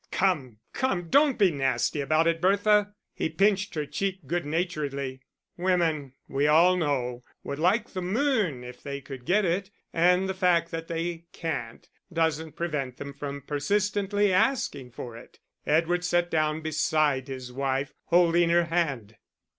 Come, come, don't be nasty about it, Bertha." He pinched her cheek good naturedly women, we all know, would like the moon if they could get it; and the fact that they can't doesn't prevent them from persistently asking for it. Edward sat down beside his wife, holding her hand.